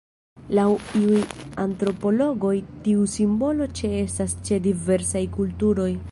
Laŭ iuj antropologoj tiu simbolo ĉeestas ĉe diversaj kulturoj.